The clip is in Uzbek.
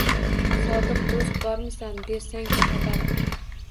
Sodiq do‘st, bormisan, bersang-chi, xabar